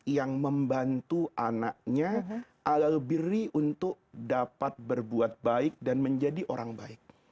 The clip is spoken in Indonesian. yang membantu anaknya albiri untuk dapat berbuat baik dan menjadi orang baik